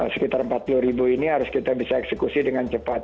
sekitar empat puluh ribu ini harus kita bisa eksekusi dengan cepat